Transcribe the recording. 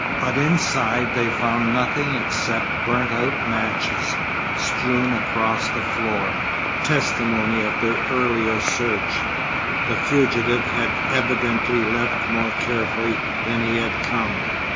But inside they found nothing except burnt out matches strewn across the floor, testimony of their earlier search. The fugitive had evidently left more carefully than he had come.